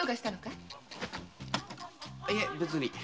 いいえ別に。